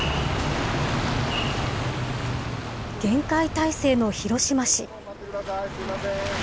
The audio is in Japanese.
厳戒態勢の広島市。